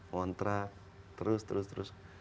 montra terus terus terus